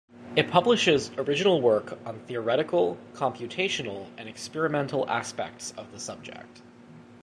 It publishes original work on theoretical, computational, and experimental aspects of the subject.